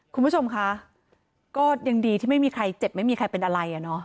คุณผู้ชมคะก็ยังดีที่ไม่มีใครเจ็บไม่มีใครเป็นอะไรอ่ะเนอะ